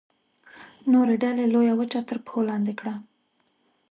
نورې ډلې لویه وچه تر پښو لاندې کړه.